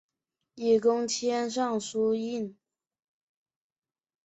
以功迁尚书令。